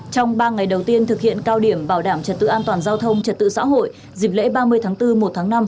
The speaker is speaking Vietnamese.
trong ba ngày đầu tiên thực hiện cao điểm bảo đảm trật tự an toàn giao thông trật tự xã hội dịp lễ ba mươi tháng bốn một tháng năm